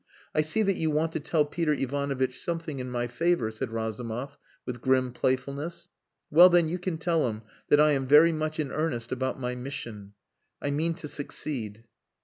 "I see that you want to tell Peter Ivanovitch something in my favour," said Razumov, with grim playfulness. "Well, then, you can tell him that I am very much in earnest about my mission. I mean to succeed."